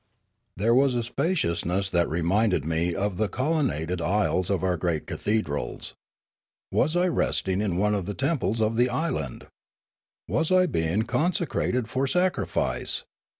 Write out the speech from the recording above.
There was a spaciousness that reminded me of the colonnaded aisles of our great cathedrals. Was I rest ing in one of the temples of the island ? Was I being consecrated for sacrifice?